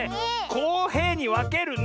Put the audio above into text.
こうへいにわけるの！